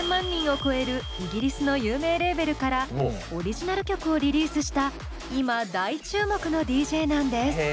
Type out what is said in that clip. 人を超えるイギリスの有名レーベルからオリジナル曲をリリースした今大注目のＤＪなんです。